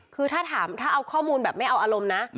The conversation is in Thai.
คือถ้าถามถ้าเอาข้อมูลแบบไม่เอาอารมณ์นะ